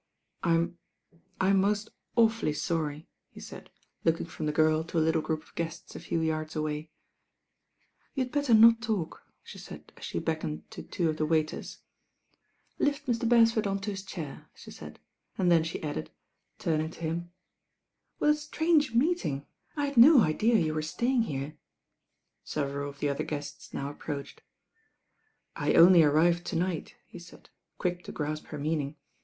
"I'm — I'm most awfully sorry," he taid, looking from the ^rl to a little group of guettt a few yardt away. "You had better not talk," the taid at the bedc oned to two of the waitert. "Lift Mr. Beretford on to hit chair," the taid; then the added, turning THE MEETINO WITH THE RAIN OIBL 151 to him, "What a strange meeting. I had no idea you were staying here.'* Several of the ot^ier guettt now approadied. "I only arrived to night," he said, quick to graip her meaning.